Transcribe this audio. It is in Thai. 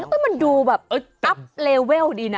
ว้าว